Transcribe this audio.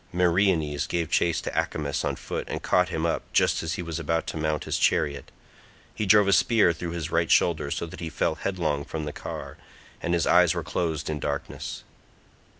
Meriones gave chase to Acamas on foot and caught him up just as he was about to mount his chariot; he drove a spear through his right shoulder so that he fell headlong from the car, and his eyes were closed in darkness.